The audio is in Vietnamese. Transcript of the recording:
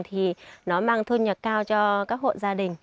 thì nó mang thu nhập cao cho các hộ gia đình